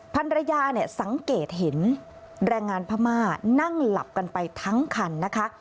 พันธุระยาสังเกตเห็นแรงงานพระม่านั่งหลับกันไปทั้งคันนะคะ